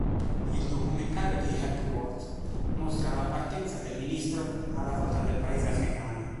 Il documentario di Hepworth mostra la partenza del ministro alla volta del paese africano.